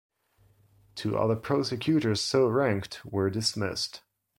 Two other prosecutors so ranked were dismissed.